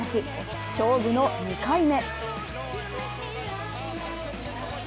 勝負の２回目。